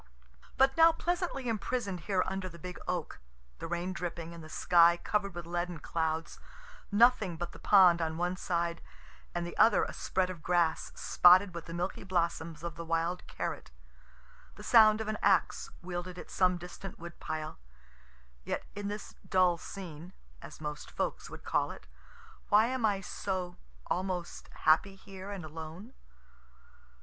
But now pleasantly imprison'd here under the big oak the rain dripping, and the sky cover'd with leaden clouds nothing but the pond on one side, and the other a spread of grass, spotted with the milky blossoms of the wild carrot the sound of an axe wielded at some distant wood pile yet in this dull scene, (as most folks would call it,) why am I so (almost) happy here and alone?